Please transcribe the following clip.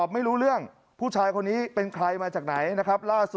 ไม้งาม๓อันไปแล้วครับโกยแล้ว